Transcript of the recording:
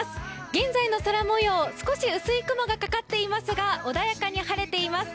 現在の空もよう少し薄い雲がかかっていますが穏やかに晴れています。